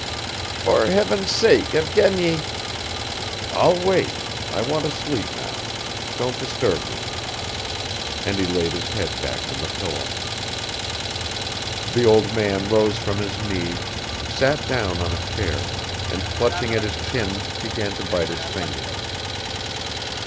"For heaven's sake, Evgeny, .." "I'll wait, I want to sleep now. Don't disturb me." And he laid his head back on the pillow. The old man rose from his knees, sat down on a chair and clutching at his chin began to bite his fingers.